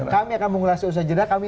kami akan mengulas usha jeddah